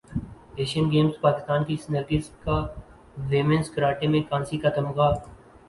Asian games Pakistan کی نرگس کا women's karate میں کانسی کا تمغہ